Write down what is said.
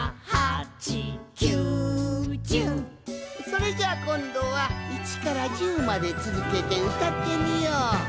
「４５６」「７８９１０」「７８９１０」それじゃあこんどは１から１０までつづけてうたってみよう！